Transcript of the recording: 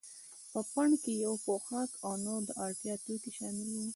په پنډکي کې پوښاک او نور د اړتیا توکي شامل وو.